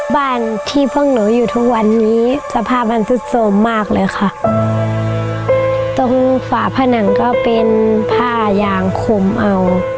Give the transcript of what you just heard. บ้านที่พวกหนูอยู่ทุกวันนี้สภาพมันสุดโสมมากเลยค่ะตรงฝาผนังก็เป็นผ้ายางขมเอา